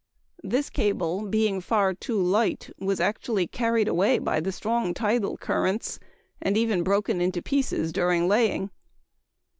This cable, being far too light, was actually carried away by the strong tidal currents and even broken into pieces during laying.